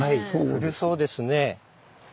古そうですね。